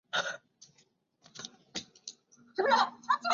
这两个注意点被认为可能是当时音乐创作的准则。